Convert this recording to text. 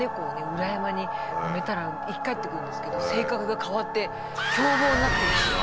裏山に埋めたら生き返ってくるんですけど性格が変わって凶暴になってるんですよ。